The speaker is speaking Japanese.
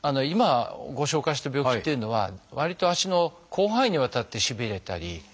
今ご紹介した病気っていうのはわりと足の広範囲にわたってしびれたり。